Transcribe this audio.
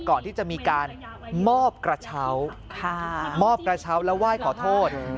ก่อนที่จะมีการมอบกระเช้ามอบกระเช้าแล้วไหว้ขอโทษ